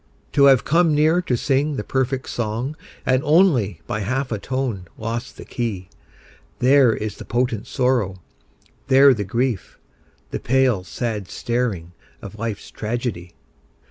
To have come near to sing the perfect song And only by a half tone lost the key, There is the potent sorrow, there the grief, The pale, sad staring of life's tragedy.